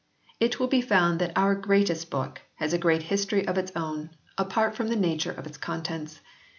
It will be found that our Greatest Book has a great history of its own, apart from the nature of its contents.